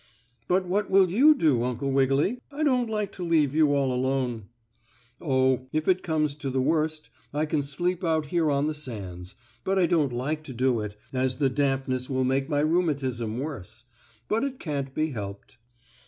"But what will you do, Uncle Wiggily? I don't like to leave you all alone." "Oh, if it comes to the worst I can sleep out here on the sands, but I don't like to do it, as the dampness will make my rheumatism worse. But it can't be helped."